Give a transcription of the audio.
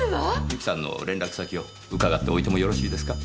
美紀さんの連絡先を伺っておいてもよろしいですか？